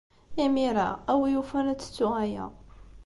Imir-a, a win yufan ad tettu aya.